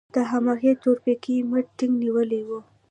ده هماغسې د تورپيکۍ مټ ټينګ نيولی و.